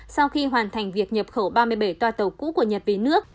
sau khi hoàn thành việc nhập khẩu ba mươi bảy toa tàu cũ của nhật về nước